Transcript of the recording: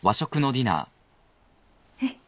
えっ。